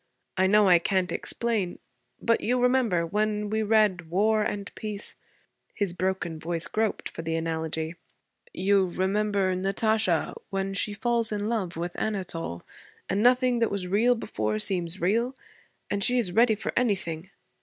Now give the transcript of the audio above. I know I can't explain. But you remember, when we read War and Peace,' his broken voice groped for the analogy, 'you remember Natacha, when she falls in love with Anatole, and nothing that was real before seems real, and she is ready for anything.